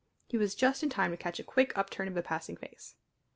He was just in time to catch the quick upturn of a passing face.